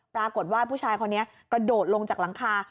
ปรากฏว่าผู้ชายคนนี้กระโดดลงจากหลังคา